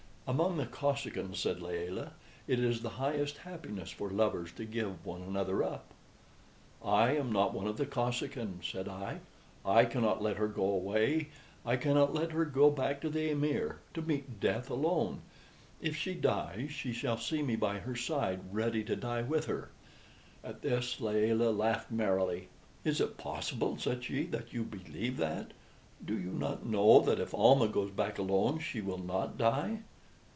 "Among the Kosekin," said Layelah, "it is the highest happiness for lovers to give one another up." "I am not one of the Kosekin," said I. "I cannot let her go away I cannot let her go back to the amir to meet death alone. If she dies she shall see me by her side, ready to die with her." At this Layelah laughed merrily. "Is it possible," said she, "that you believe that? Do you not know that if Almah goes back alone she will not die?"